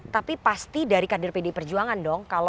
tapi pasti dari kader pdi perjuangan dong